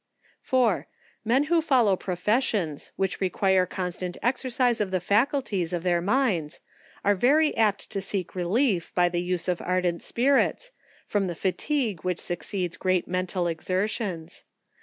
4. Men who follow professions, which require constant exercise of the faculties of their minds, are very apt to seek relief, by the use of ardent spirits, from the fatigue which succeeds great mental exertions.